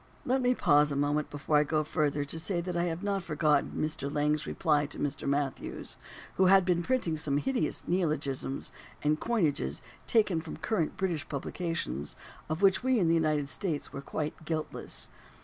Let me pause a moment before I go further to say that I have not forgotten Mr. Lang's reply to Mr. Matthews, who had been printing some hideous neol ogisms and coinages taken from current British pub hcations, of which we in the United States were quite guiltless.